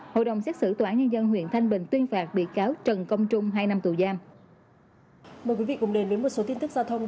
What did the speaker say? hội đồng xét xử tòa án nhân dân huyện thanh bình tuyên phạt bị cáo trần công trung hai năm tù giam